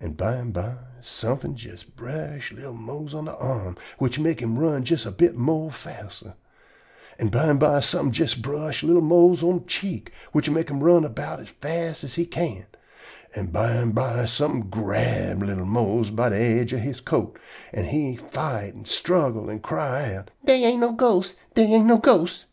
An' bimeby somefin' jes brush li'l Mose on de arm, which mek him run jest a bit more faster. An' bimeby somefin' jes brush li'l Mose on de cheek, which mek him run erbout as fast as he can. An' bimeby somefin' grab li'l Mose by de aidge of he coat, an' he fight an' struggle an' cry out: "Dey ain't no ghosts. Dey ain't no ghosts."